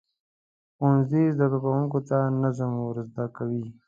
ښوونځی زده کوونکو ته نظم ورزده کوي.